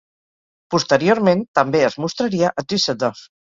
Posteriorment també es mostraria a Düsseldorf.